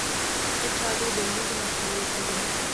کچالو د لوږې مخنیوی کوي